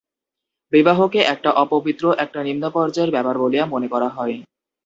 বিবাহকে একটা অপবিত্র, একটা নিম্ন পর্যায়ের ব্যাপার বলিয়া মনে করা হয়।